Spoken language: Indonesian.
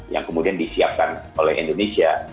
yang kemudian disiapkan oleh indonesia